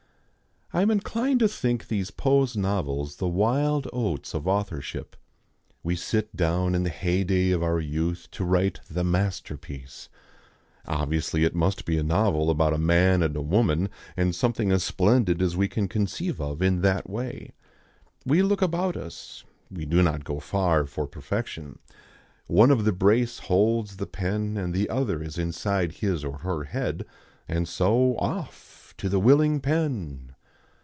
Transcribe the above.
I am inclined to think these pose novels the wild oats of authorship. We sit down in the heyday of our youth to write the masterpiece. Obviously, it must be a novel about a man and a woman, and something as splendid as we can conceive of in that way. We look about us. We do not go far for perfection. One of the brace holds the pen and the other is inside his or her head; and so Off! to the willing pen.